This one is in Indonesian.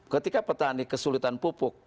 ketika petani kesulitan pupuk